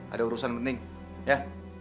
ada urusan penting ya